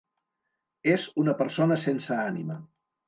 És una persona sense ànima.